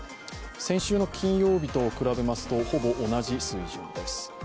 先週の金曜日と比べますと、ほぼ同じ水準です。